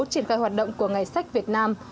triển khai hoạt động của ngày sách việt nam